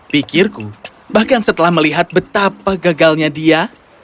pikirku bahkan setelah melihat betapa gagalnya dia